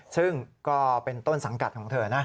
ซึ่งก็เป็นต้นสังกัดของเธอนะ